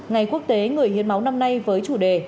ngày quốc tế người hiến máu năm nay với chủ đề